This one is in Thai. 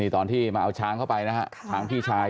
ตอนที่มาเอาช้างเข้าไปนะฮะช้างพี่ชาย